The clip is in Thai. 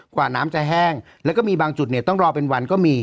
กว่าน้ำจะแห้งแล้วก็มีบางจุดเนี่ยต้องรอเป็นวันก็มี